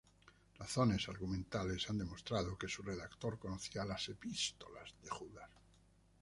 Razones argumentales han demostrado que su redactor conocía la epístola de Judas.